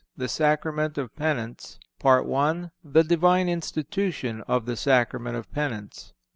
THE SACRAMENT OF PENANCE. I. The Divine Institution Of The Sacrament Of Penance.